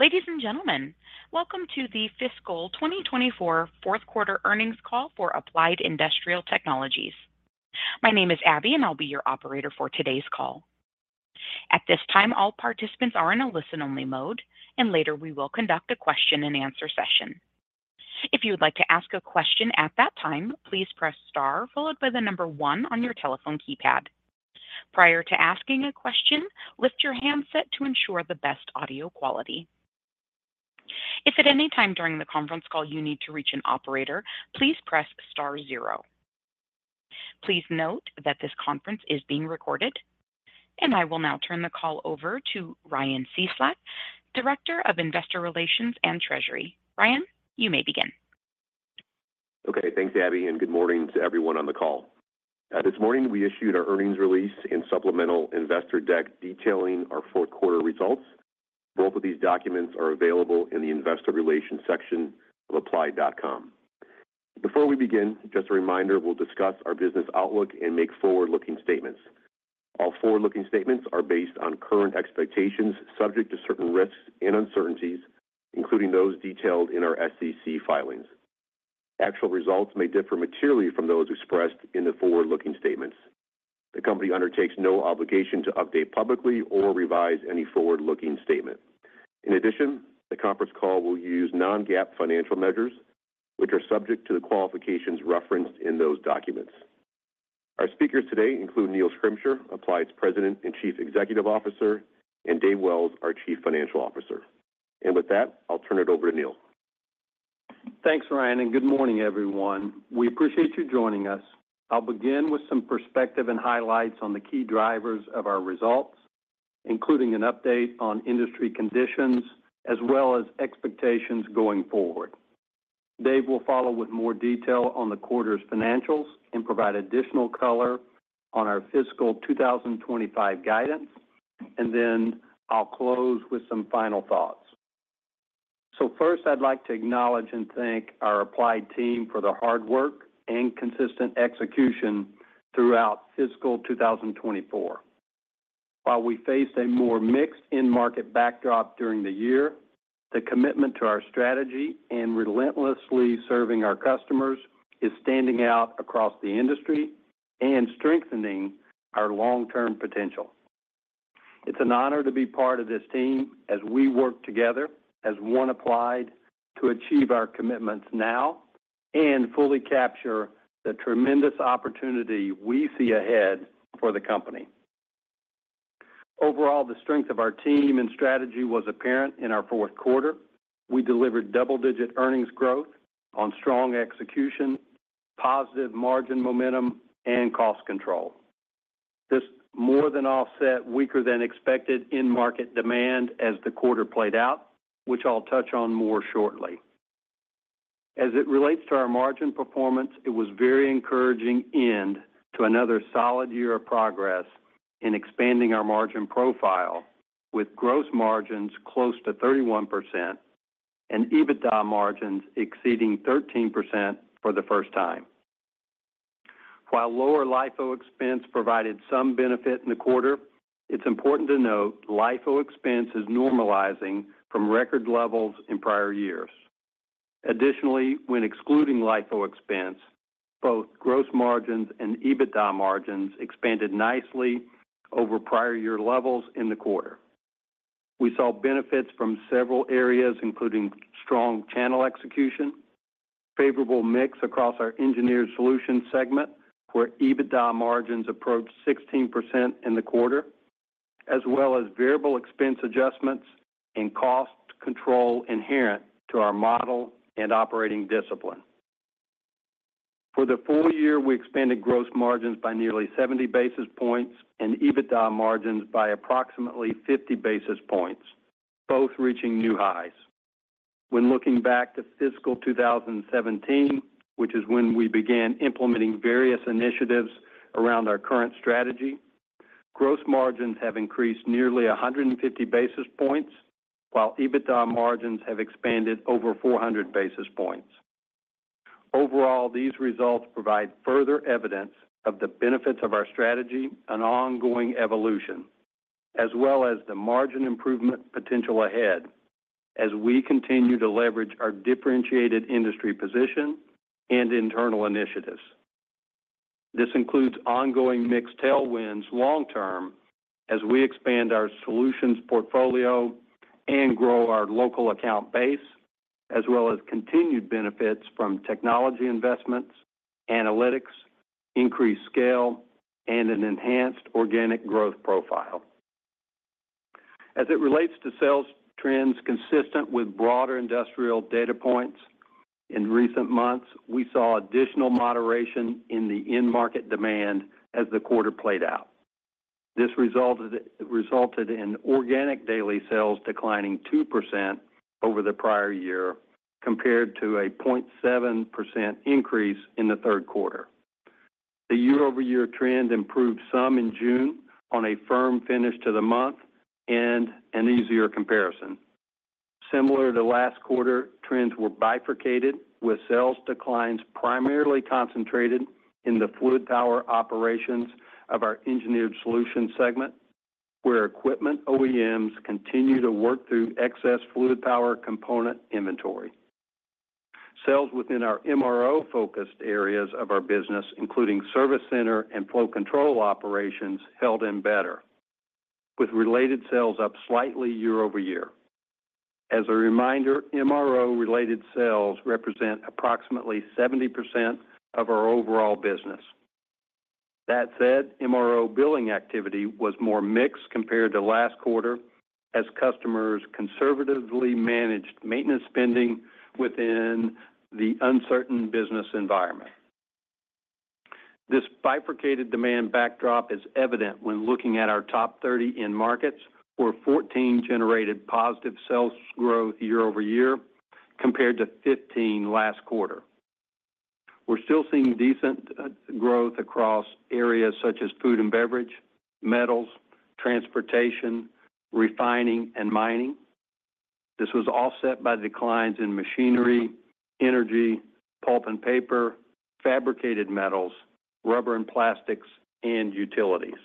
Ladies and gentlemen, welcome to the fiscal 2024 fourth quarter earnings call for Applied Industrial Technologies. My name is Abby, and I'll be your operator for today's call. At this time, all participants are in a listen-only mode, and later we will conduct a question-and-answer session. If you would like to ask a question at that time, please press star followed by the number one on your telephone keypad. Prior to asking a question, lift your handset to ensure the best audio quality. If at any time during the conference call you need to reach an operator, please press star zero. Please note that this conference is being recorded, and I will now turn the call over to Ryan Cieslak, Director of Investor Relations and Treasury. Ryan, you may begin. Okay, thanks, Abby, and good morning to everyone on the call. This morning, we issued our earnings release and supplemental investor deck detailing our fourth quarter results. Both of these documents are available in the Investor Relations section of applied.com. Before we begin, just a reminder, we'll discuss our business outlook and make forward-looking statements. All forward-looking statements are based on current expectations, subject to certain risks and uncertainties, including those detailed in our SEC filings. Actual results may differ materially from those expressed in the forward-looking statements. The company undertakes no obligation to update publicly or revise any forward-looking statement. In addition, the conference call will use non-GAAP financial measures, which are subject to the qualifications referenced in those documents. Our speakers today include Neil Schrimsher, Applied's President and Chief Executive Officer, and Dave Wells, our Chief Financial Officer. With that, I'll turn it over to Neil. Thanks, Ryan, and good morning, everyone. We appreciate you joining us. I'll begin with some perspective and highlights on the key drivers of our results, including an update on industry conditions as well as expectations going forward. Dave will follow with more detail on the quarter's financials and provide additional color on our fiscal 2024 guidance, and then I'll close with some final thoughts. So first, I'd like to acknowledge and thank our Applied team for their hard work and consistent execution throughout fiscal 2024. While we faced a more mixed end market backdrop during the year, the commitment to our strategy and relentlessly serving our customers is standing out across the industry and strengthening our long-term potential. It's an honor to be part of this team as we work together as One Applied to achieve our commitments now and fully capture the tremendous opportunity we see ahead for the company. Overall, the strength of our team and strategy was apparent in our fourth quarter. We delivered double-digit earnings growth on strong execution, positive margin momentum, and cost control. This more than offset weaker-than-expected end market demand as the quarter played out, which I'll touch on more shortly. As it relates to our margin performance, it was very encouraging end to another solid year of progress in expanding our margin profile, with gross margins close to 31% and EBITDA margins exceeding 13% for the first time. While lower LIFO expense provided some benefit in the quarter, it's important to note LIFO expense is normalizing from record levels in prior years. Additionally, when excluding LIFO expense, both gross margins and EBITDA margins expanded nicely over prior year levels in the quarter. We saw benefits from several areas, including strong channel execution, favorable mix across our Engineered Solutions segment, where EBITDA margins approached 16% in the quarter, as well as variable expense adjustments and cost control inherent to our model and operating discipline. For the full year, we expanded gross margins by nearly 70 basis points and EBITDA margins by approximately 50 basis points, both reaching new highs. When looking back to fiscal 2017, which is when we began implementing various initiatives around our current strategy, gross margins have increased nearly 150 basis points, while EBITDA margins have expanded over 400 basis points. Overall, these results provide further evidence of the benefits of our strategy and ongoing evolution, as well as the margin improvement potential ahead as we continue to leverage our differentiated industry position and internal initiatives. This includes ongoing mixed tailwinds long term as we expand our solutions portfolio and grow our local account base, as well as continued benefits from technology investments, analytics, increased scale, and an enhanced organic growth profile. As it relates to sales trends consistent with broader industrial data points, in recent months, we saw additional moderation in the end market demand as the quarter played out. This resulted in organic daily sales declining 2% over the prior year, compared to a 0.7% increase in the third quarter. The year-over-year trend improved some in June on a firm finish to the month and an easier comparison. Similar to last quarter, trends were bifurcated, with sales declines primarily concentrated in the fluid power operations of our engineered solutions segment, where equipment OEMs continue to work through excess fluid power component inventory. Sales within our MRO-focused areas of our business, including service center and flow control operations, held in better, with related sales up slightly year-over-year. As a reminder, MRO-related sales represent approximately 70% of our overall business. That said, MRO billing activity was more mixed compared to last quarter, as customers conservatively managed maintenance spending within the uncertain business environment. This bifurcated demand backdrop is evident when looking at our top 30 end markets, where 14 generated positive sales growth year-over-year, compared to 15 last quarter. We're still seeing decent growth across areas such as food and beverage, metals, transportation, refining, and mining. This was offset by declines in machinery, energy, pulp and paper, fabricated metals, rubber and plastics, and utilities.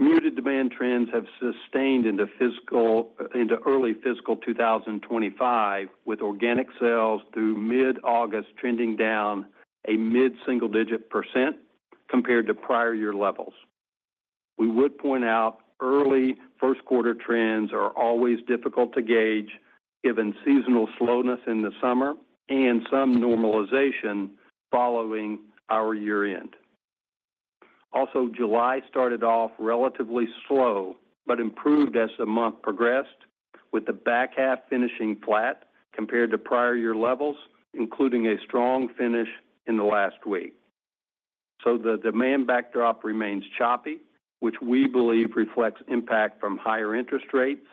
Muted demand trends have sustained into early fiscal 2025, with organic sales through mid-August trending down a mid-single-digit % compared to prior year levels. We would point out, early first quarter trends are always difficult to gauge, given seasonal slowness in the summer and some normalization following our year-end. Also, July started off relatively slow, but improved as the month progressed, with the back half finishing flat compared to prior year levels, including a strong finish in the last week. The demand backdrop remains choppy, which we believe reflects impact from higher interest rates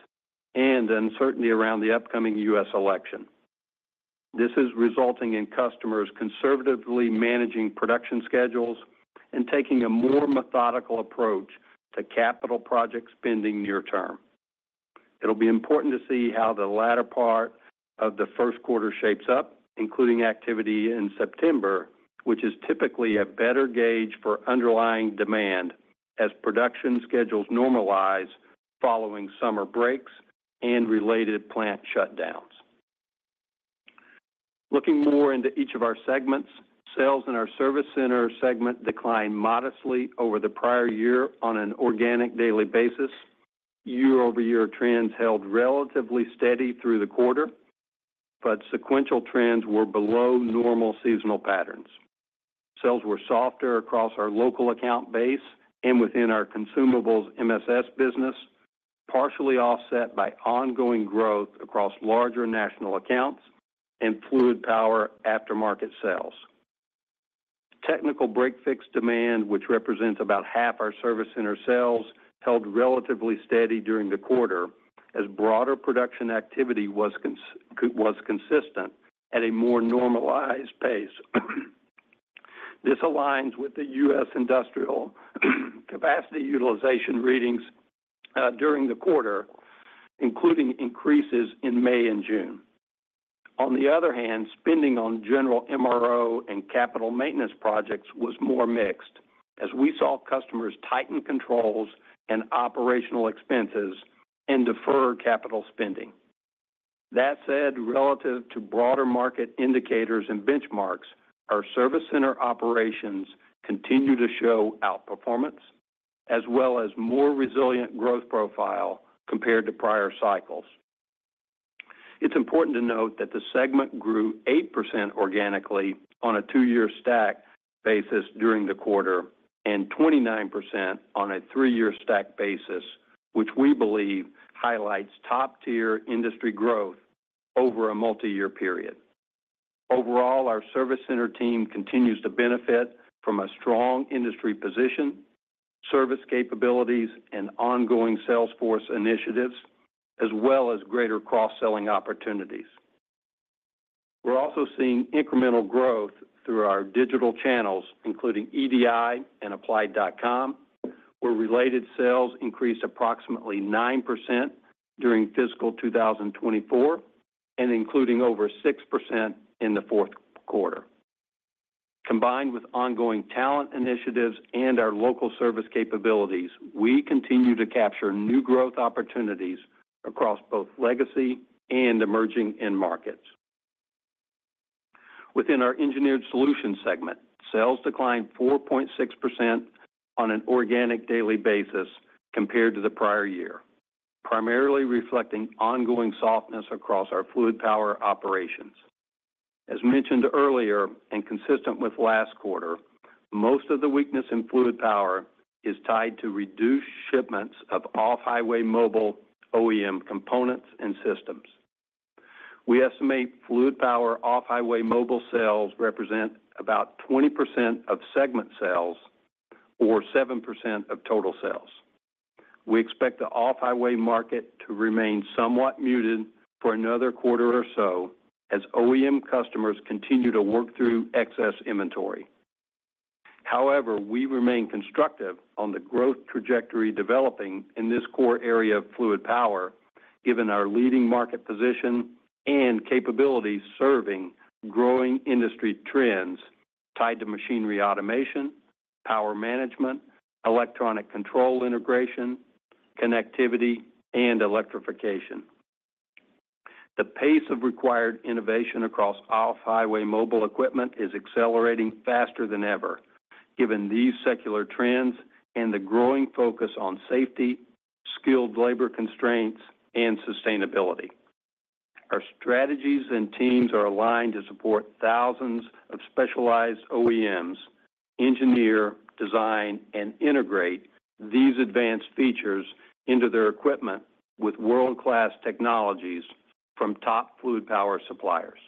and uncertainty around the upcoming U.S. election. This is resulting in customers conservatively managing production schedules and taking a more methodical approach to capital project spending near term. It'll be important to see how the latter part of the first quarter shapes up, including activity in September, which is typically a better gauge for underlying demand as production schedules normalize following summer breaks and related plant shutdowns. Looking more into each of our segments, sales in our Service Center segment declined modestly over the prior year on an organic daily basis. Year-over-year trends held relatively steady through the quarter, but sequential trends were below normal seasonal patterns. Sales were softer across our local account base and within our consumables MSS business, partially offset by ongoing growth across larger national accounts and fluid power aftermarket sales. Technical break-fix demand, which represents about half our Service Center sales, held relatively steady during the quarter, as broader production activity was consistent at a more normalized pace. This aligns with the U.S. industrial capacity utilization readings, during the quarter, including increases in May and June. On the other hand, spending on general MRO and capital maintenance projects was more mixed, as we saw customers tighten controls and operational expenses and defer capital spending. That said, relative to broader market indicators and benchmarks, our service center operations continue to show outperformance, as well as more resilient growth profile compared to prior cycles. It's important to note that the segment grew 8% organically on a two-year stack basis during the quarter, and 29% on a three-year stack basis, which we believe highlights top-tier industry growth over a multiyear period. Overall, our service center team continues to benefit from a strong industry position, service capabilities, and ongoing salesforce initiatives, as well as greater cross-selling opportunities. We're also seeing incremental growth through our digital channels, including EDI and applied.com, where related sales increased approximately 9% during fiscal 2024, and including over 6% in the fourth quarter. Combined with ongoing talent initiatives and our local service capabilities, we continue to capture new growth opportunities across both legacy and emerging end markets. Within our Engineered Solutions segment, sales declined 4.6% on an organic daily basis compared to the prior year, primarily reflecting ongoing softness across our fluid power operations. As mentioned earlier, and consistent with last quarter, most of the weakness in fluid power is tied to reduced shipments of off-highway mobile OEM components and systems. We estimate fluid power off-highway mobile sales represent about 20% of segment sales or 7% of total sales. We expect the off-highway market to remain somewhat muted for another quarter or so, as OEM customers continue to work through excess inventory. However, we remain constructive on the growth trajectory developing in this core area of fluid power, given our leading market position and capabilities serving growing industry trends, tied to machinery automation, power management, electronic control integration, connectivity, and electrification. The pace of required innovation across off-highway mobile equipment is accelerating faster than ever, given these secular trends and the growing focus on safety, skilled labor constraints, and sustainability. Our strategies and teams are aligned to support thousands of specialized OEMs, engineer, design, and integrate these advanced features into their equipment with world-class technologies from top fluid power suppliers.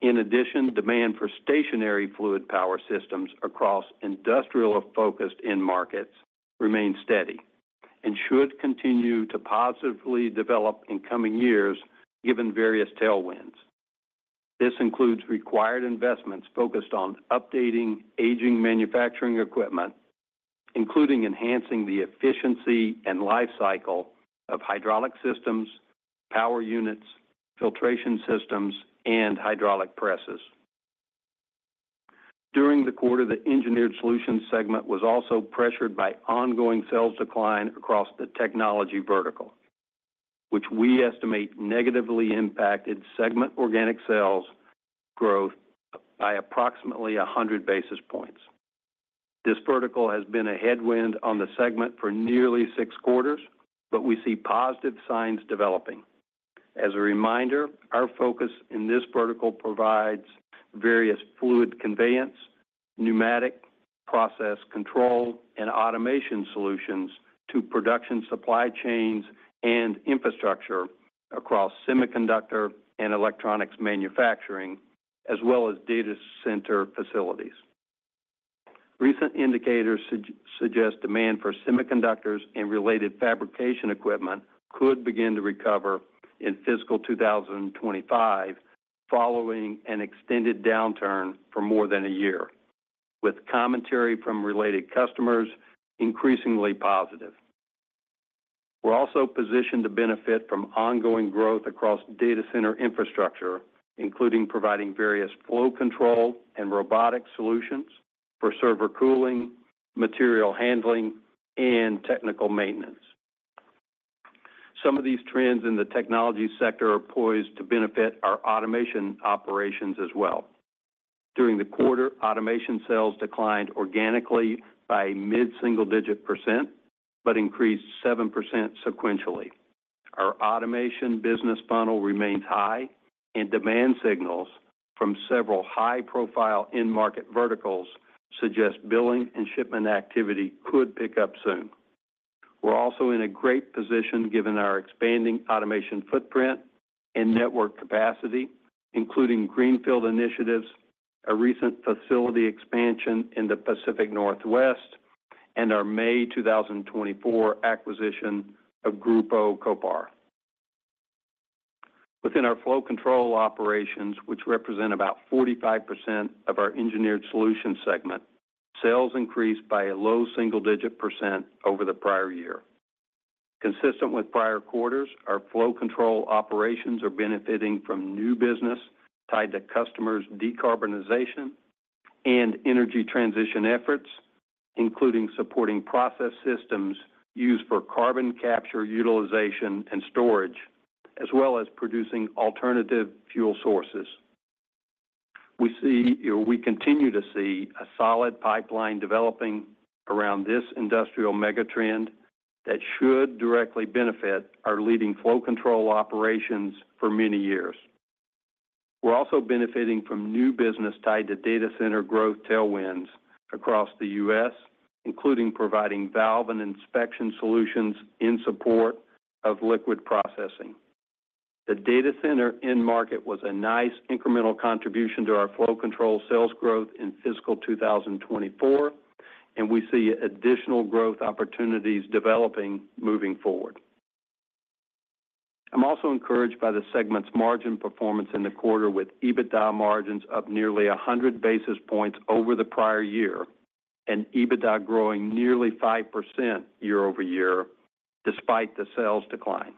In addition, demand for stationary fluid power systems across industrial-focused end markets remain steady and should continue to positively develop in coming years, given various tailwinds. This includes required investments focused on updating aging manufacturing equipment, including enhancing the efficiency and life cycle of hydraulic systems, power units, filtration systems, and hydraulic presses. During the quarter, the Engineered Solutions segment was also pressured by ongoing sales decline across the technology vertical, which we estimate negatively impacted segment organic sales growth by approximately 100 basis points. This vertical has been a headwind on the segment for nearly six quarters, but we see positive signs developing. As a reminder, our focus in this vertical provides various fluid conveyance, pneumatic, process control, and automation solutions to production supply chains and infrastructure across semiconductor and electronics manufacturing, as well as data center facilities. Recent indicators suggest demand for semiconductors and related fabrication equipment could begin to recover in fiscal 2025, following an extended downturn for more than a year, with commentary from related customers increasingly positive. We're also positioned to benefit from ongoing growth across data center infrastructure, including providing various flow control and robotic solutions for server cooling, material handling, and technical maintenance. Some of these trends in the technology sector are poised to benefit our automation operations as well. During the quarter, automation sales declined organically by mid-single-digit %, but increased 7% sequentially. Our automation business funnel remains high, and demand signals from several high-profile end market verticals suggest billing and shipment activity could pick up soon. We're also in a great position, given our expanding automation footprint and network capacity, including greenfield initiatives, a recent facility expansion in the Pacific Northwest, and our May 2024 acquisition of Grupo Kopar. Within our flow control operations, which represent about 45% of our Engineered Solutions segment, sales increased by a low single-digit % over the prior year. Consistent with prior quarters, our flow control operations are benefiting from new business tied to customers' decarbonization and energy transition efforts, including supporting process systems used for carbon capture, utilization, and storage, as well as producing alternative fuel sources. We continue to see a solid pipeline developing around this industrial mega trend that should directly benefit our leading flow control operations for many years. We're also benefiting from new business tied to data center growth tailwinds across the U.S., including providing valve and inspection solutions in support of liquid processing. The data center end market was a nice incremental contribution to our flow control sales growth in fiscal 2024, and we see additional growth opportunities developing moving forward. I'm also encouraged by the segment's margin performance in the quarter, with EBITDA margins up nearly 100 basis points over the prior year and EBITDA growing nearly 5% year-over-year, despite the sales decline.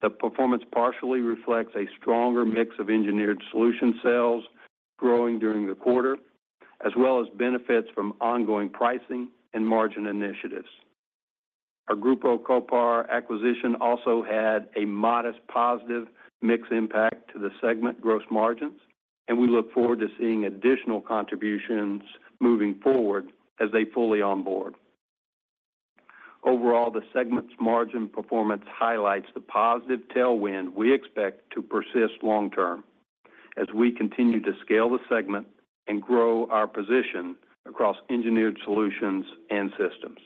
The performance partially reflects a stronger mix of engineered solution sales growing during the quarter, as well as benefits from ongoing pricing and margin initiatives. Our Grupo Kopar acquisition also had a modest positive mix impact to the segment gross margins, and we look forward to seeing additional contributions moving forward as they fully onboard. Overall, the segment's margin performance highlights the positive tailwind we expect to persist long term as we continue to scale the segment and grow our position across engineered solutions and systems.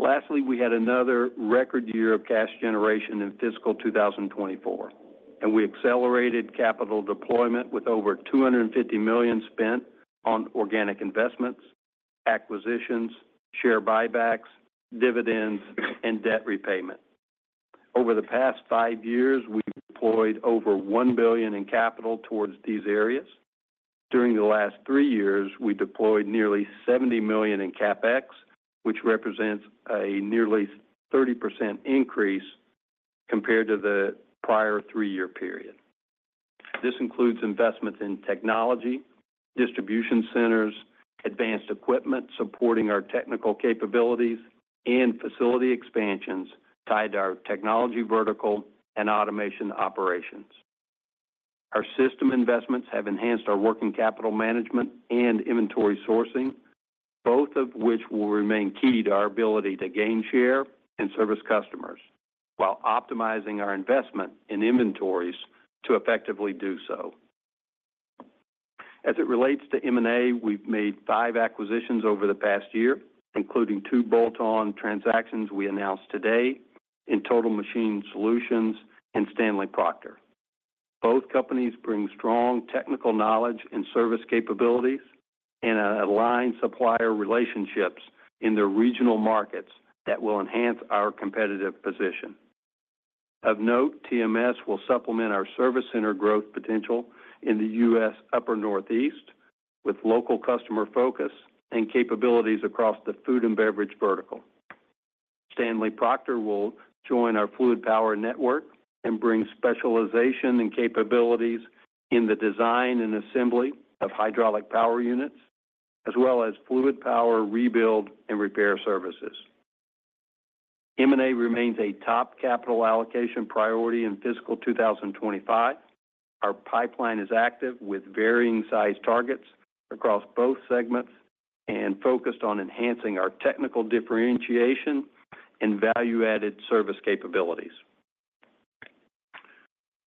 Lastly, we had another record year of cash generation in fiscal 2024, and we accelerated capital deployment with over $250 million spent on organic investments, acquisitions, share buybacks, dividends, and debt repayment. Over the past five years, we've deployed over $1 billion in capital towards these areas. During the last three years, we deployed nearly $70 million in CapEx, which represents a nearly 30% increase compared to the prior three-year period. This includes investments in technology, distribution centers, advanced equipment supporting our technical capabilities, and facility expansions tied to our technology vertical and automation operations. Our system investments have enhanced our working capital management and inventory sourcing, both of which will remain key to our ability to gain share and service customers, while optimizing our investment in inventories to effectively do so. As it relates to M&A, we've made five acquisitions over the past year, including two bolt-on transactions we announced today in Total Machine Solutions and Stanley Proctor. Both companies bring strong technical knowledge and service capabilities and aligned supplier relationships in their regional markets that will enhance our competitive position. Of note, TMS will supplement our service center growth potential in the U.S. Upper Northeast, with local customer focus and capabilities across the food and beverage vertical. Stanley Proctor will join our fluid power network and bring specialization and capabilities in the design and assembly of hydraulic power units, as well as fluid power rebuild and repair services. M&A remains a top capital allocation priority in fiscal 2025. Our pipeline is active with varying size targets across both segments and focused on enhancing our technical differentiation and value-added service capabilities.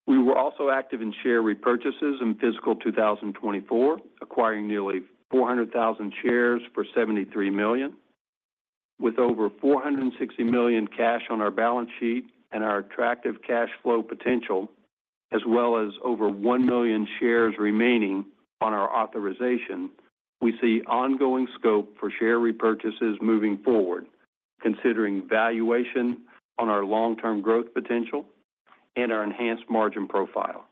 We were also active in share repurchases in fiscal 2024, acquiring nearly 400,000 shares for $73 million. With over $460 million cash on our balance sheet and our attractive cash flow potential, as well as over 1 million shares remaining on our authorization, we see ongoing scope for share repurchases moving forward, considering valuation on our long-term growth potential and our enhanced margin profile.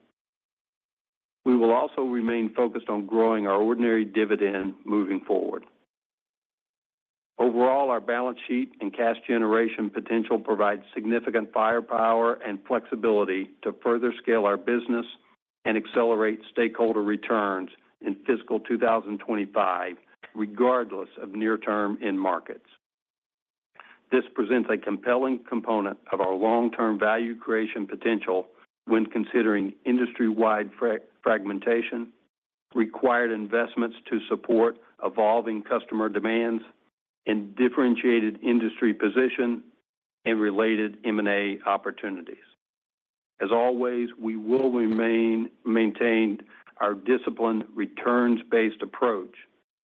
We will also remain focused on growing our ordinary dividend moving forward. Overall, our balance sheet and cash generation potential provides significant firepower and flexibility to further scale our business and accelerate stakeholder returns in fiscal 2025, regardless of near-term end markets. This presents a compelling component of our long-term value creation potential when considering industry-wide fragmentation, required investments to support evolving customer demands, and differentiated industry position and related M&A opportunities. As always, we will maintain our disciplined, returns-based approach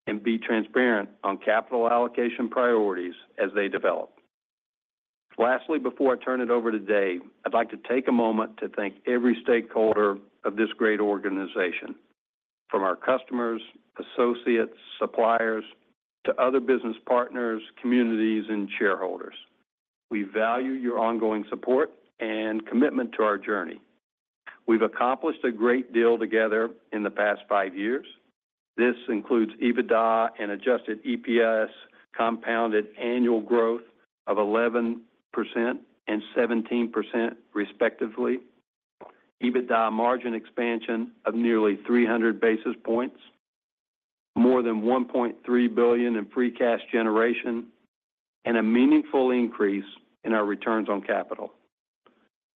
and be transparent on capital allocation priorities as they develop. Lastly, before I turn it over to Dave, I'd like to take a moment to thank every stakeholder of this great organization, from our customers, associates, suppliers, to other business partners, communities, and shareholders. We value your ongoing support and commitment to our journey. We've accomplished a great deal together in the past five years. This includes EBITDA and adjusted EPS, compounded annual growth of 11% and 17% respectively, EBITDA margin expansion of nearly 300 basis points, more than $1.3 billion in free cash generation, and a meaningful increase in our returns on capital.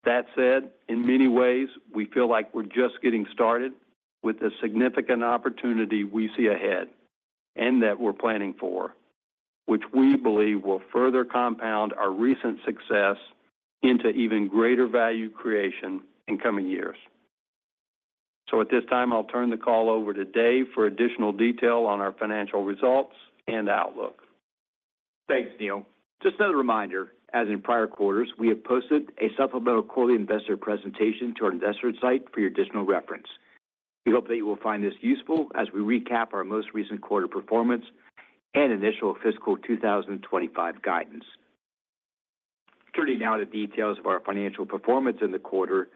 That said, in many ways, we feel like we're just getting started with the significant opportunity we see ahead, and that we're planning for, which we believe will further compound our recent success into even greater value creation in coming years. At this time, I'll turn the call over to Dave for additional detail on our financial results and outlook. Thanks, Neil. Just as a reminder, as in prior quarters, we have posted a supplemental quarterly investor presentation to our investor site for your additional reference. We hope that you will find this useful as we recap our most recent quarter performance and initial fiscal 2025 guidance. Turning now to details of our financial performance in the quarter,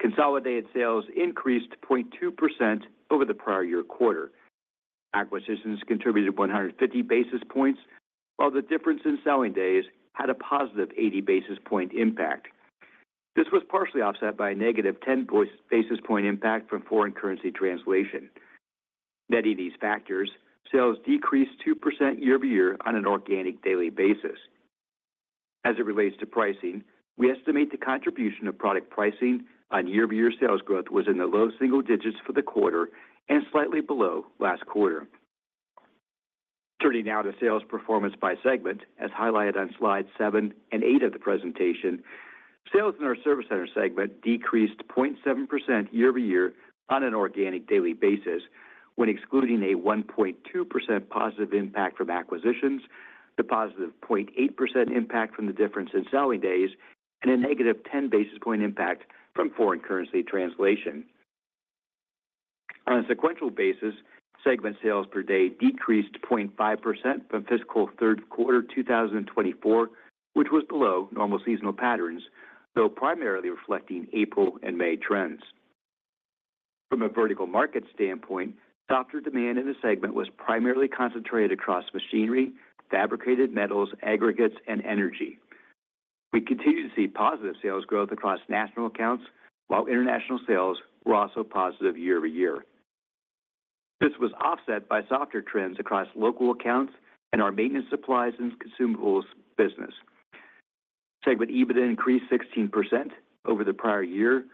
consolidated sales increased 0.2% over the prior year quarter. Acquisitions contributed 150 basis points, while the difference in selling days had a positive 80 basis points impact. This was partially offset by a negative 10 basis points impact from foreign currency translation. Netting these factors, sales decreased 2% year-over-year on an organic daily basis. As it relates to pricing, we estimate the contribution of product pricing on year-over-year sales growth was in the low single digits for the quarter and slightly below last quarter. Turning now to sales performance by segment, as highlighted on slides 7 and 8 of the presentation, sales in our Service Center segment decreased 0.7% year over year on an organic daily basis, when excluding a 1.2% positive impact from acquisitions, the positive 0.8% impact from the difference in selling days, and a negative 10 basis point impact from foreign currency translation. On a sequential basis, segment sales per day decreased 0.5% from fiscal third quarter 2024, which was below normal seasonal patterns, though primarily reflecting April and May trends. From a vertical market standpoint, softer demand in the segment was primarily concentrated across machinery, fabricated metals, aggregates, and energy. We continue to see positive sales growth across national accounts, while international sales were also positive year-over-year. This was offset by softer trends across local accounts and our maintenance supplies and consumables business. Segment EBITDA increased 16% over the prior year,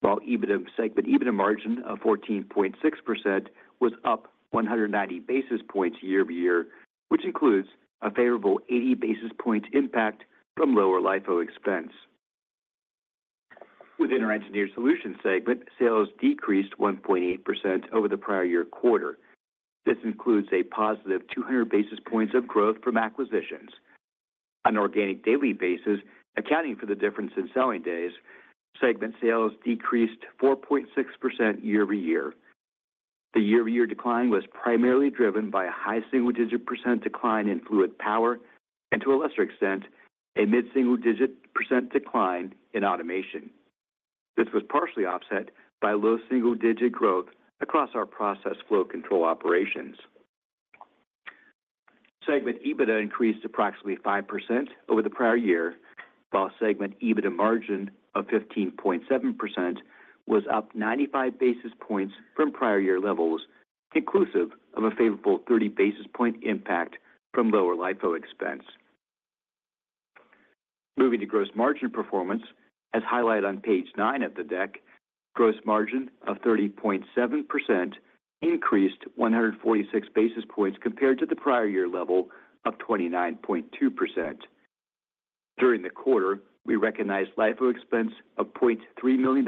while EBITDA margin of 14.6% was up 190 basis points year-over-year, which includes a favorable 80 basis point impact from lower LIFO expense. Within our Engineered Solutions segment, sales decreased 1.8% over the prior-year quarter. This includes a positive 200 basis points of growth from acquisitions. On an organic daily basis, accounting for the difference in selling days, segment sales decreased 4.6% year-over-year. The year-over-year decline was primarily driven by a high single-digit % decline in fluid power, and to a lesser extent, a mid-single-digit % decline in automation. This was partially offset by low single-digit growth across our process flow control operations. Segment EBITDA increased approximately 5% over the prior year, while segment EBITDA margin of 15.7% was up 95 basis points from prior year levels, inclusive of a favorable 30 basis point impact from lower LIFO expense. Moving to gross margin performance, as highlighted on page 9 of the deck, gross margin of 30.7% increased 146 basis points compared to the prior year level of 29.2%. During the quarter, we recognized LIFO expense of $0.3 million,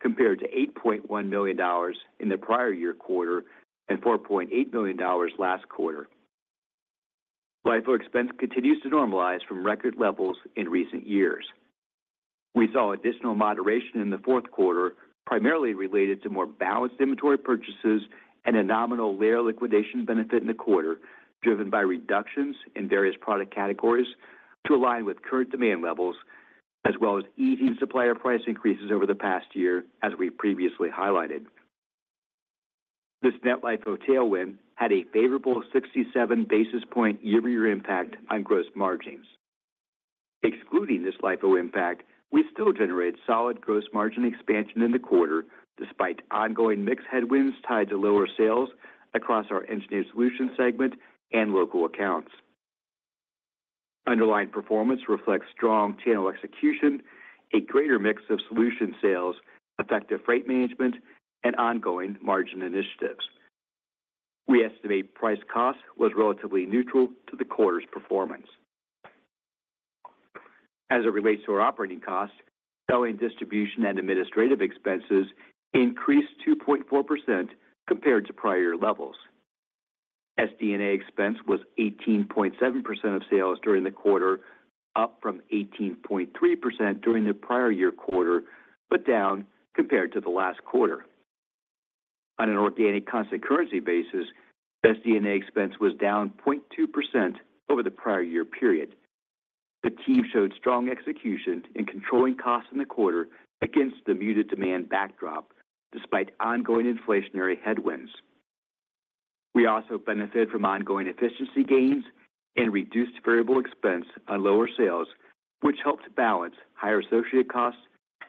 compared to $8.1 million in the prior year quarter and $4.8 million last quarter. LIFO expense continues to normalize from record levels in recent years. We saw additional moderation in the fourth quarter, primarily related to more balanced inventory purchases and a nominal layer liquidation benefit in the quarter, driven by reductions in various product categories to align with current demand levels, as well as easing supplier price increases over the past year, as we previously highlighted. This net LIFO tailwind had a favorable 67 basis point year-over-year impact on gross margins. Excluding this LIFO impact, we still generated solid gross margin expansion in the quarter, despite ongoing mix headwinds tied to lower sales across our Engineered Solutions segment and local accounts. Underlying performance reflects strong channel execution, a greater mix of solution sales, effective freight management, and ongoing margin initiatives. We estimate price cost was relatively neutral to the quarter's performance. As it relates to our operating costs, selling, distribution, and administrative expenses increased 2.4% compared to prior levels. SD&A expense was 18.7% of sales during the quarter, up from 18.3% during the prior year quarter, but down compared to the last quarter. On an organic constant currency basis, SD&A expense was down 0.2% over the prior year period. The team showed strong execution in controlling costs in the quarter against the muted demand backdrop, despite ongoing inflationary headwinds. We also benefited from ongoing efficiency gains and reduced variable expense on lower sales, which helped balance higher associated costs,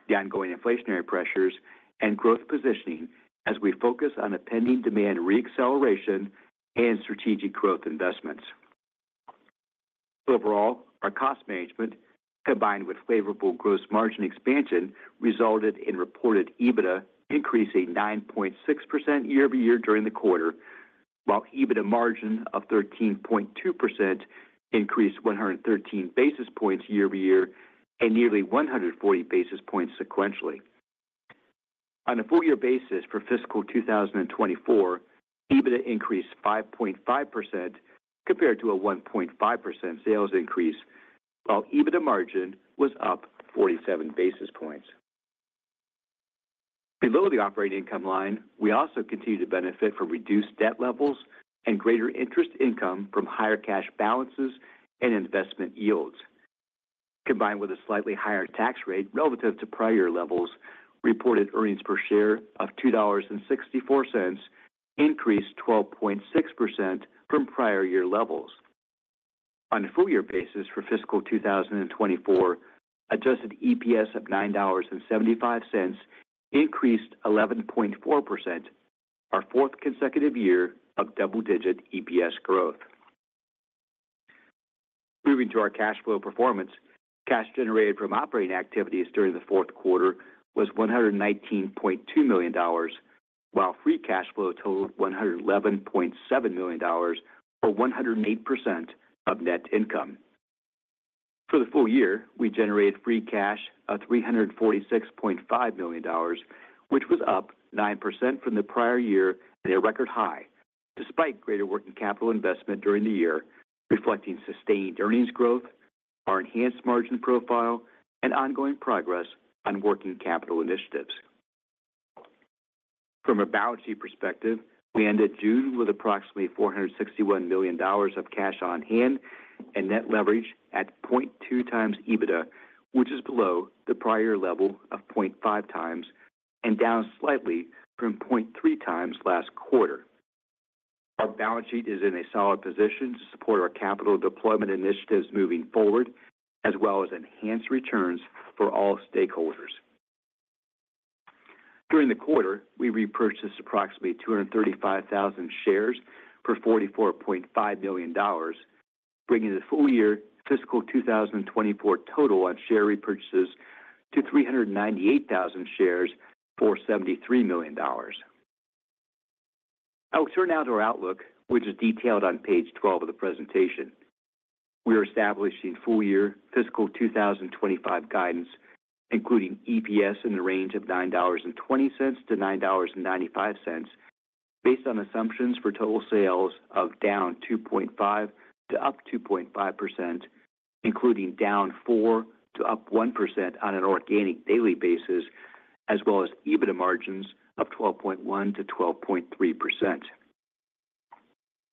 the ongoing inflationary pressures, and growth positioning as we focus on a pending demand re-acceleration and strategic growth investments. Overall, our cost management, combined with favorable gross margin expansion, resulted in reported EBITDA increasing 9.6% year-over-year during the quarter, while EBITDA margin of 13.2% increased 113 basis points year-over-year and nearly 140 basis points sequentially. On a full-year basis for fiscal 2024, EBITDA increased 5.5% compared to a 1.5% sales increase, while EBITDA margin was up 47 basis points. Below the operating income line, we also continued to benefit from reduced debt levels and greater interest income from higher cash balances and investment yields. Combined with a slightly higher tax rate relative to prior levels, reported earnings per share of $2.64 increased 12.6% from prior year levels. On a full year basis for fiscal 2024, adjusted EPS of $9.75 increased 11.4%, our fourth consecutive year of double-digit EPS growth. Moving to our cash flow performance, cash generated from operating activities during the fourth quarter was $119.2 million, while free cash flow totaled $111.7 million, or 108% of net income. For the full year, we generated free cash of $346.5 million, which was up 9% from the prior year and a record high, despite greater working capital investment during the year, reflecting sustained earnings growth, our enhanced margin profile, and ongoing progress on working capital initiatives. From a balance sheet perspective, we ended June with approximately $461 million of cash on hand, and net leverage at 0.2 times EBITDA, which is below the prior level of 0.5 times and down slightly from 0.3 times last quarter. Our balance sheet is in a solid position to support our capital deployment initiatives moving forward, as well as enhance returns for all stakeholders. During the quarter, we repurchased approximately 235,000 shares for $44.5 million, bringing the full year fiscal 2024 total on share repurchases to 398,000 shares for $73 million. I'll turn now to our outlook, which is detailed on page 12 of the presentation. We are establishing full year fiscal 2025 guidance, including EPS in the range of $9.20-$9.95, based on assumptions for total sales of down 2.5% to up 2.5%, including down 4% to up 1% on an organic daily basis, as well as EBITDA margins of 12.1%-12.3%.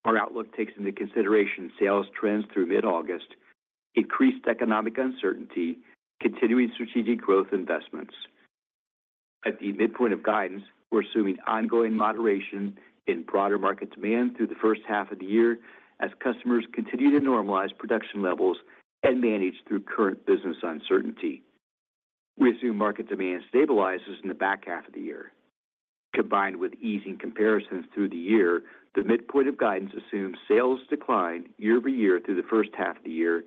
Our outlook takes into consideration sales trends through mid-August, increased economic uncertainty, continuing strategic growth investments. At the midpoint of guidance, we're assuming ongoing moderation in broader market demand through the first half of the year as customers continue to normalize production levels and manage through current business uncertainty. We assume market demand stabilizes in the back half of the year. Combined with easing comparisons through the year, the midpoint of guidance assumes sales decline year-over-year through the first half of the year,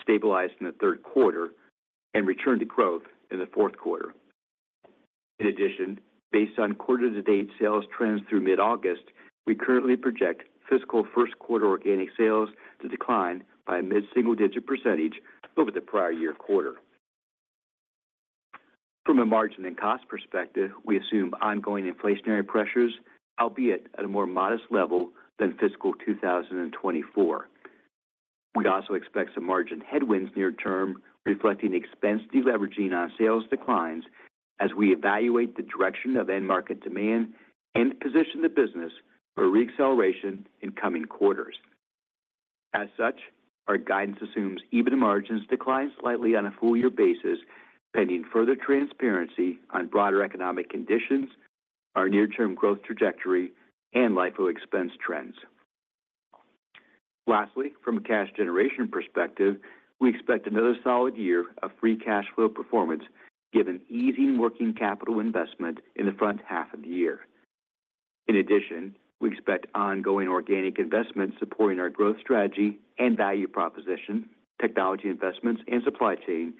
stabilized in the third quarter, and return to growth in the fourth quarter. In addition, based on quarter-to-date sales trends through mid-August, we currently project fiscal first quarter organic sales to decline by a mid-single-digit % over the prior year quarter. From a margin and cost perspective, we assume ongoing inflationary pressures, albeit at a more modest level than fiscal 2024. We also expect some margin headwinds near term, reflecting expense deleveraging on sales declines as we evaluate the direction of end market demand and position the business for re-acceleration in coming quarters. As such, our guidance assumes EBITDA margins decline slightly on a full year basis, pending further transparency on broader economic conditions, our near-term growth trajectory, and LIFO expense trends. Lastly, from a cash generation perspective, we expect another solid year of free cash flow performance, given easing working capital investment in the front half of the year. In addition, we expect ongoing organic investment supporting our growth strategy and value proposition, technology investments, and supply chain,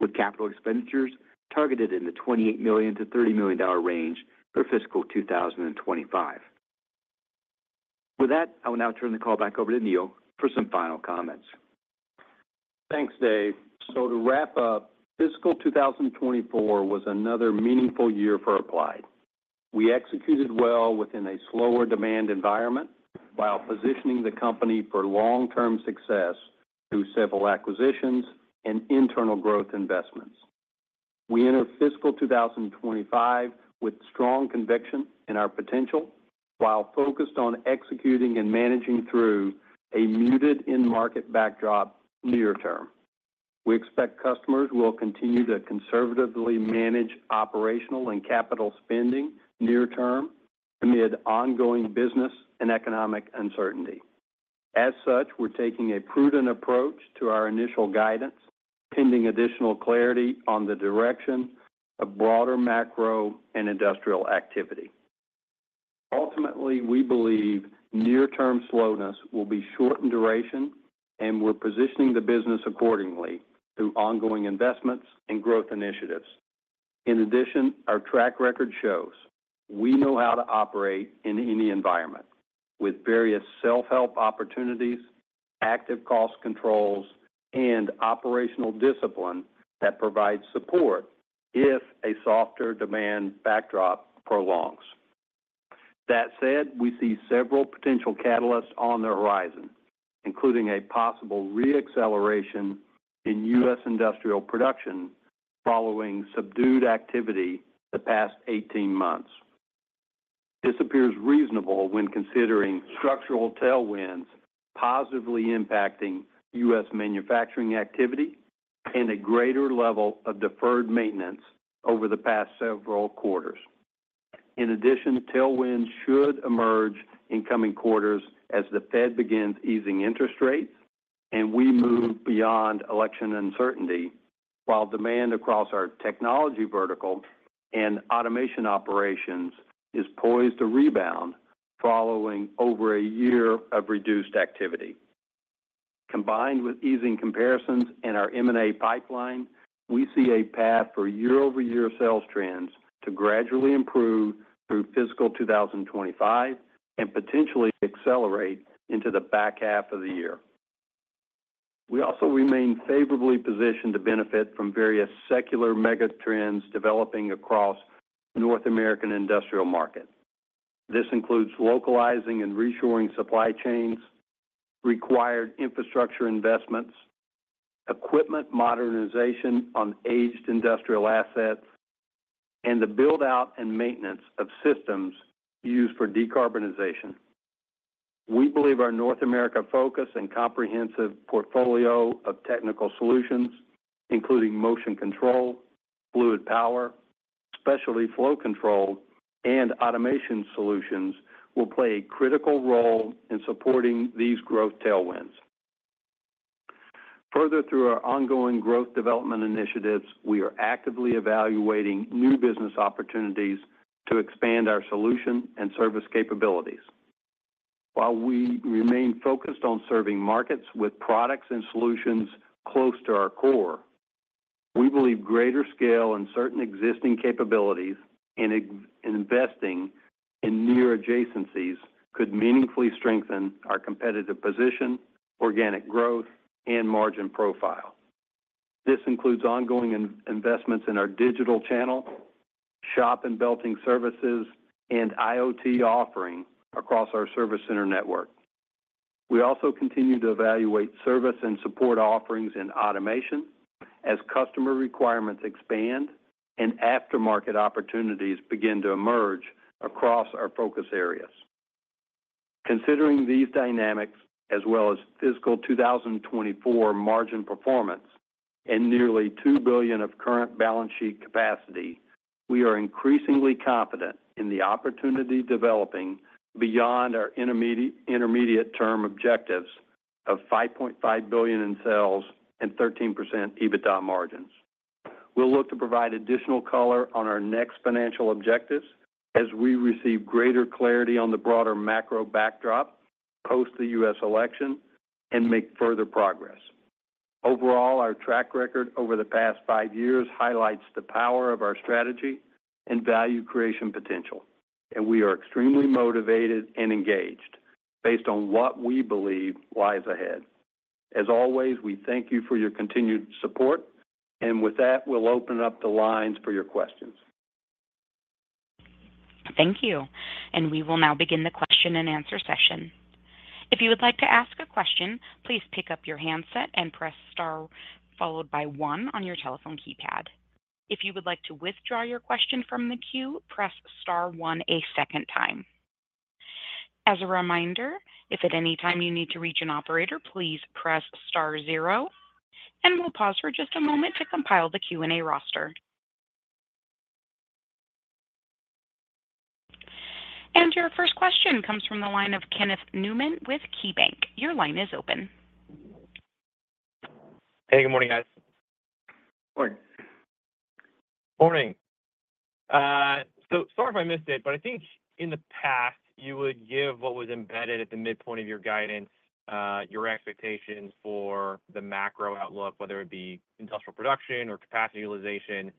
with capital expenditures targeted in the $28 million-$30 million range for fiscal 2025. With that, I will now turn the call back over to Neil for some final comments. Thanks, Dave. To wrap up, fiscal 2024 was another meaningful year for Applied. We executed well within a slower demand environment while positioning the company for long-term success through several acquisitions and internal growth investments. We enter fiscal 2025 with strong conviction in our potential, while focused on executing and managing through a muted end market backdrop near term. We expect customers will continue to conservatively manage operational and capital spending near term amid ongoing business and economic uncertainty. As such, we're taking a prudent approach to our initial guidance, pending additional clarity on the direction of broader macro and industrial activity. Ultimately, we believe near-term slowness will be short in duration, and we're positioning the business accordingly through ongoing investments and growth initiatives. In addition, our track record shows we know how to operate in any environment with various self-help opportunities, active cost controls, and operational discipline that provides support if a softer demand backdrop prolongs. That said, we see several potential catalysts on the horizon, including a possible re-acceleration in U.S. industrial production following subdued activity the past 18 months. This appears reasonable when considering structural tailwinds positively impacting U.S. manufacturing activity and a greater level of deferred maintenance over the past several quarters. In addition, tailwinds should emerge in coming quarters as the Fed begins easing interest rates and we move beyond election uncertainty, while demand across our technology vertical and automation operations is poised to rebound following over a year of reduced activity. Combined with easing comparisons in our M&A pipeline, we see a path for year-over-year sales trends to gradually improve through fiscal 2025, and potentially accelerate into the back half of the year. We also remain favorably positioned to benefit from various secular mega trends developing across the North American industrial market. This includes localizing and reshoring supply chains, required infrastructure investments, equipment modernization on aged industrial assets, and the build-out and maintenance of systems used for decarbonization. We believe our North America focus and comprehensive portfolio of technical solutions, including motion control, fluid power, specialty flow control, and automation solutions, will play a critical role in supporting these growth tailwinds. Further, through our ongoing growth development initiatives, we are actively evaluating new business opportunities to expand our solution and service capabilities. While we remain focused on serving markets with products and solutions close to our core, we believe greater scale and certain existing capabilities in investing in near adjacencies could meaningfully strengthen our competitive position, organic growth, and margin profile. This includes ongoing investments in our digital channel, shop and belting services, and IoT offerings across our service center network. We also continue to evaluate service and support offerings in automation as customer requirements expand and aftermarket opportunities begin to emerge across our focus areas. Considering these dynamics, as well as fiscal 2024 margin performance and nearly $2 billion of current balance sheet capacity, we are increasingly confident in the opportunity developing beyond our intermediate-term objectives of $5.5 billion in sales and 13% EBITDA margins. We'll look to provide additional color on our next financial objectives as we receive greater clarity on the broader macro backdrop post the U.S. election and make further progress. Overall, our track record over the past five years highlights the power of our strategy and value creation potential, and we are extremely motivated and engaged based on what we believe lies ahead. As always, we thank you for your continued support, and with that, we'll open up the lines for your questions. Thank you. And we will now begin the question-and-answer session. If you would like to ask a question, please pick up your handset and press star, followed by one on your telephone keypad. If you would like to withdraw your question from the queue, press star one a second time. As a reminder, if at any time you need to reach an operator, please press star zero, and we'll pause for just a moment to compile the Q&A roster. And your first question comes from the line of Kenneth Newman with KeyBanc. Your line is open. Hey, good morning, guys. Morning. Morning. So sorry if I missed it, but I think in the past, you would give what was embedded at the midpoint of your guidance, your expectations for the macro outlook, whether it be industrial production or capacity utilization.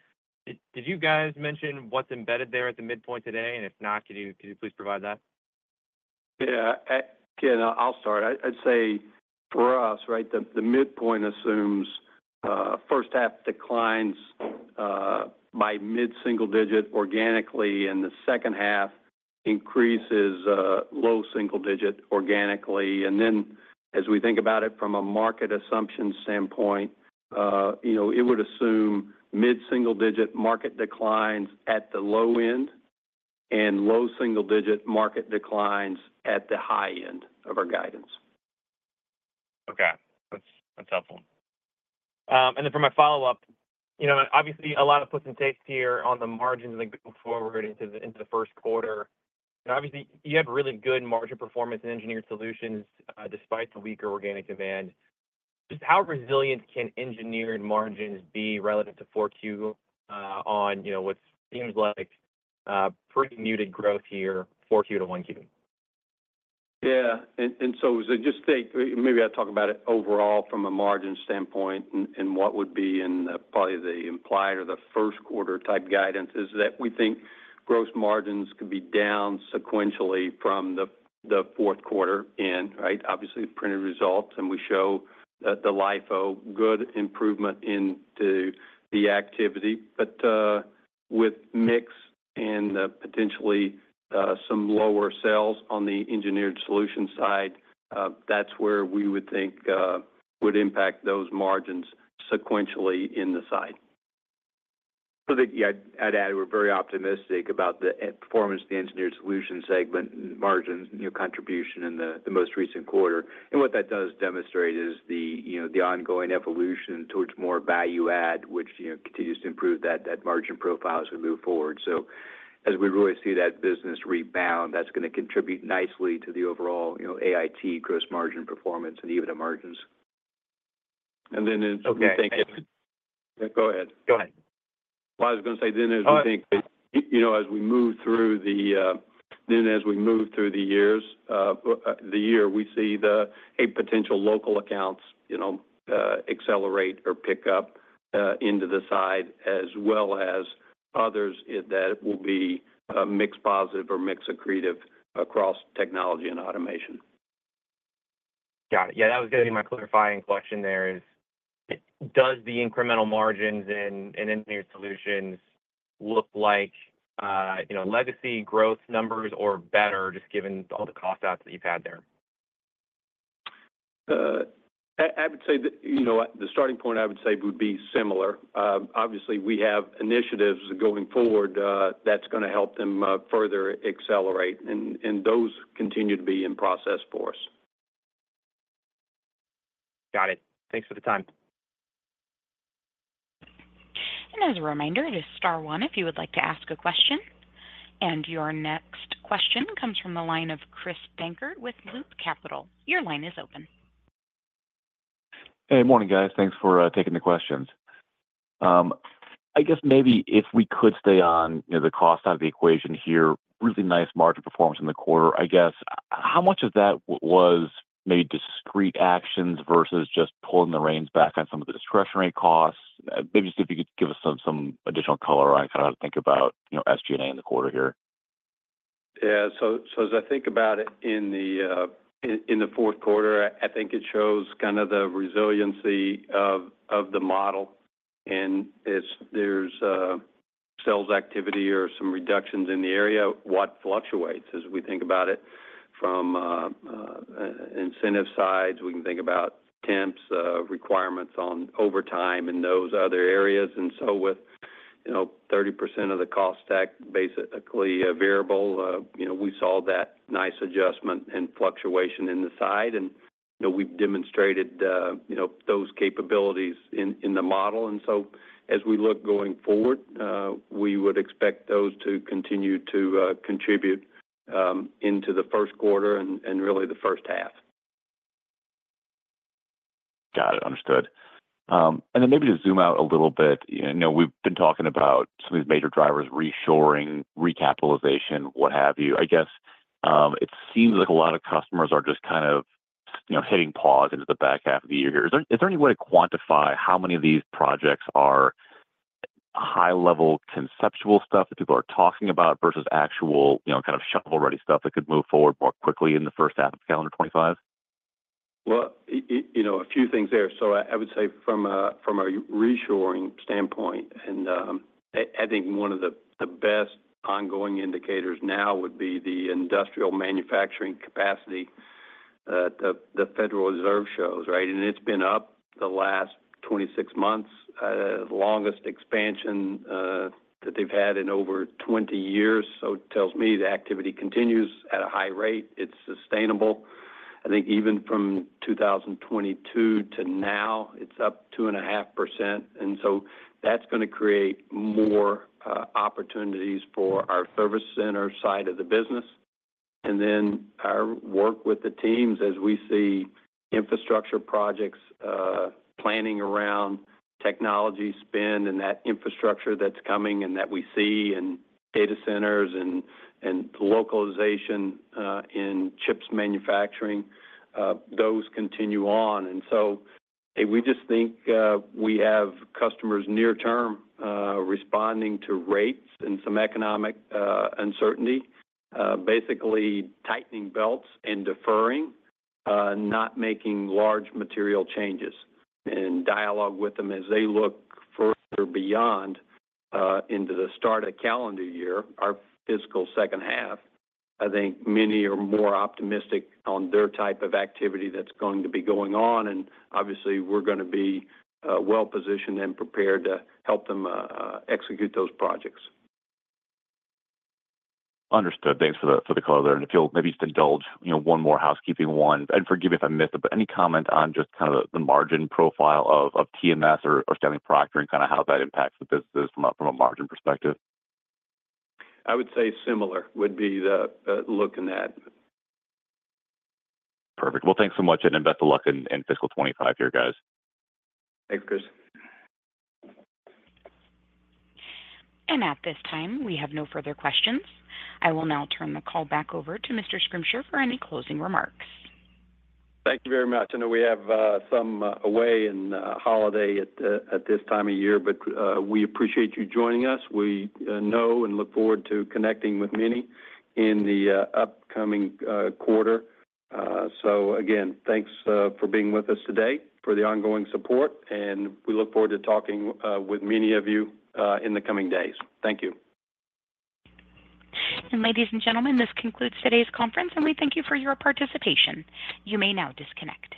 Did you guys mention what's embedded there at the midpoint today? And if not, could you please provide that? Yeah. Ken, I'll start. I'd say for us, right, the midpoint assumes first half declines by mid-single digit organically, and the second half increases low single digit organically. And then, as we think about it from a market assumption standpoint, you know, it would assume mid-single digit market declines at the low end, and low single digit market declines at the high end of our guidance. Okay. That's, that's helpful. And then for my follow-up, you know, obviously, a lot of puts and takes here on the margins looking forward into the, into the first quarter. And obviously, you had really good margin performance in engineered solutions, despite the weaker organic demand. Just how resilient can engineered margins be relative to 4Q, on, you know, what seems like a pretty muted growth here, 4Q to 1Q? Yeah. And so maybe I'll talk about it overall from a margin standpoint, and what would be in probably the implied or the first quarter type guidance, is that we think gross margins could be down sequentially from the fourth quarter, right? Obviously, printed results, and we show that the LIFO had good improvement in the activity. But with mix and potentially some lower sales on the engineered solution side, that's where we would think would impact those margins sequentially in the side. So that, yeah, I'd add, we're very optimistic about the performance of the Engineered Solutions segment margins, new contribution in the most recent quarter. And what that does demonstrate is the, you know, the ongoing evolution towards more value add, which, you know, continues to improve that margin profile as we move forward. So as we really see that business rebound, that's gonna contribute nicely to the overall, you know, AIT gross margin performance and EBITDA margins. And then, as we think- Okay. Yeah, go ahead. Go ahead. Well, I was gonna say, then as we think, you know, as we move through the year, we see a potential local accounts, you know, accelerate or pick up into the side, as well as others that will be mix positive or mix accretive across technology and automation. Got it. Yeah, that was gonna be my clarifying question there is, does the incremental margins in Engineered Solutions look like, you know, legacy growth numbers or better, just given all the cost outs that you've had there?... I would say that, you know what? The starting point, I would say, would be similar. Obviously, we have initiatives going forward, that's gonna help them further accelerate, and those continue to be in process for us. Got it. Thanks for the time. As a reminder, it is star one if you would like to ask a question. Your next question comes from the line of Chris Dankert with Loop Capital. Your line is open. Hey, morning, guys. Thanks for taking the questions. I guess maybe if we could stay on, you know, the cost out of the equation here, really nice margin performance in the quarter. I guess, how much of that was made discrete actions versus just pulling the reins back on some of the discretionary costs? Maybe just if you could give us some additional color on kind of how to think about, you know, SG&A in the quarter here. Yeah. So as I think about it in the fourth quarter, I think it shows kind of the resiliency of the model, and it's, there's sales activity or some reductions in the area. What fluctuates as we think about it from incentive sides. We can think about temps requirements on overtime in those other areas. And so with, you know, 30% of the cost stack basically variable, you know, we saw that nice adjustment and fluctuation in SD&A, and, you know, we've demonstrated, you know, those capabilities in the model. And so as we look going forward, we would expect those to continue to contribute into the first quarter and really the first half. Got it. Understood. And then maybe to zoom out a little bit. I know we've been talking about some of these major drivers, reshoring, recapitalization, what have you. I guess, it seems like a lot of customers are just kind of, you know, hitting pause into the back half of the year here. Is there any way to quantify how many of these projects are high-level conceptual stuff that people are talking about versus actual, you know, kind of shovel-ready stuff that could move forward more quickly in the first half of calendar 2025? Well, you know, a few things there. So I would say from a reshoring standpoint, and I think one of the best ongoing indicators now would be the industrial manufacturing capacity, the Federal Reserve shows, right? And it's been up the last 26 months, the longest expansion that they've had in over 20 years. So it tells me the activity continues at a high rate. It's sustainable. I think even from 2022 to now, it's up 2.5%, and so that's gonna create more opportunities for our service center side of the business. And then our work with the teams as we see infrastructure projects planning around technology spend and that infrastructure that's coming and that we see in data centers and localization in chips manufacturing, those continue on. And so we just think we have customers near term responding to rates and some economic uncertainty, basically tightening belts and deferring, not making large material changes. In dialogue with them as they look further beyond into the start of calendar year, our fiscal second half, I think many are more optimistic on their type of activity that's going to be going on, and obviously, we're gonna be well-positioned and prepared to help them execute those projects. Understood. Thanks for the color there. And if you'll maybe just indulge, you know, one more housekeeping one, and forgive me if I missed it, but any comment on just kind of the margin profile of TMS or Stanley Proctor, and kind of how that impacts the businesses from a margin perspective? I would say similar would be the, look in that. Perfect. Well, thanks so much, and best of luck in fiscal 25 here, guys. Thanks, Chris. At this time, we have no further questions. I will now turn the call back over to Mr. Schrimsher for any closing remarks. Thank you very much. I know we have some away and holiday at this time of year, but we appreciate you joining us. We know and look forward to connecting with many in the upcoming quarter. So again, thanks for being with us today, for the ongoing support, and we look forward to talking with many of you in the coming days. Thank you. Ladies and gentlemen, this concludes today's conference, and we thank you for your participation. You may now disconnect.